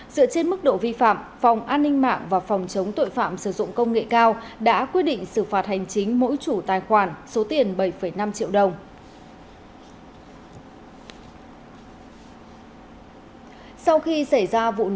dựa trên mức độ vi phạm phòng an ninh mạng và phòng chống tội phạm sử dụng công nghệ cao đã quyết định xử phạt hành chính mỗi chủ tài khoản số tiền bảy năm triệu đồng